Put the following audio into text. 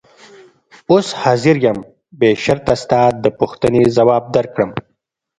اوس حاضر یم بې شرطه ستا د پوښتنې ځواب درکړم.